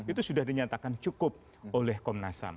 itu sudah dinyatakan cukup oleh komnas ham